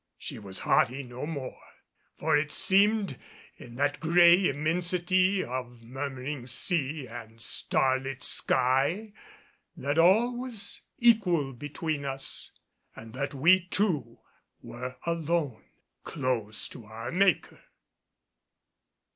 She was haughty no more; for it seemed in that gray immensity of murmuring sea and starlit sky that all was equal between us, and that we two were alone, close to our Maker.